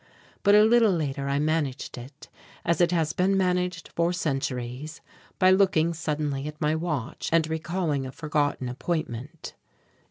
But a little later I managed it, as it has been managed for centuries, by looking suddenly at my watch and recalling a forgotten appointment.